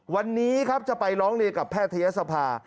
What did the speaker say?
วันนี้ครับจะไปร้องเรียนกับแพทยศภา